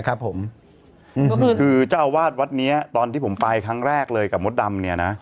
คือคือเจ้าอาวาสวัดเนี้ยตอนที่ผมไปครั้งแรกเลยกับมดดำเนี่ยนะ